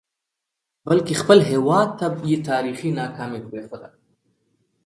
بلکې خپل هیواد ته یې تاریخي ناکامي پرېښوده.